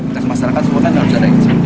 atas masyarakat semua kan yang harus ada izin